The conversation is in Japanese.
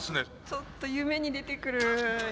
ちょっと夢に出てくる。